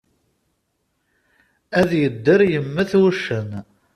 Ad yedder yemmet wuccen.